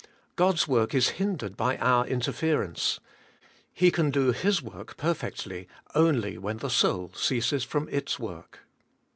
God's work is hindered by our interference. He can do His work perfectly only when the soul ceases from its work.